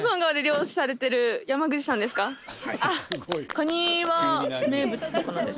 カニは名物とかなんですか？